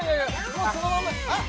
もうそのまんまあっ